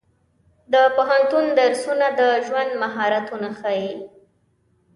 د پوهنتون درسونه د ژوند مهارتونه ښيي.